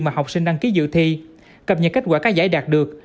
mà học sinh đăng ký dự thi cập nhật kết quả các giải đạt được